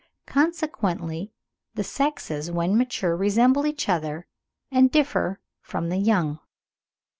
Consequently, the sexes when mature resemble each other and differ from the young.